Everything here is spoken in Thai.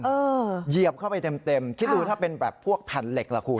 เหยียบเข้าไปเต็มเต็มคิดดูถ้าเป็นแบบพวกแผ่นเหล็กล่ะคุณ